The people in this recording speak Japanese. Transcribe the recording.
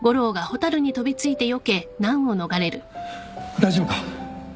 大丈夫か？